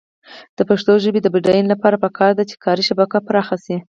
د پښتو ژبې د بډاینې لپاره پکار ده چې کاري شبکه پراخه شي.